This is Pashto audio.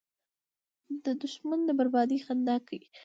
دښمن د بربادۍ خندا کوي